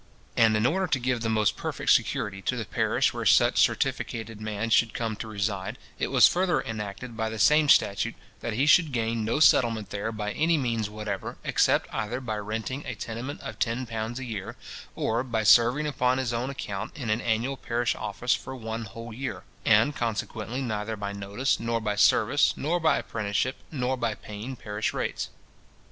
And in order to give the most perfect security to the parish where such certificated man should come to reside, it was further enacted by the same statute, that he should gain no settlement there by any means whatever, except either by renting a tenement of ten pounds a year, or by serving upon his own account in an annual parish office for one whole year; and consequently neither by notice nor by service, nor by apprenticeship, nor by paying parish rates.